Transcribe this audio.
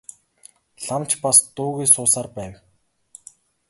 Лам ч бас дуугүй суусаар байв.